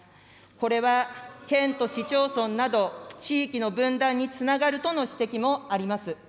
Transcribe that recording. これは県と市町村など地域の分断につながるとの指摘もあります。